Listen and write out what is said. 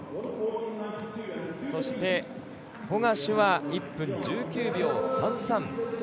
そして、ホガシュは１分１９秒３３。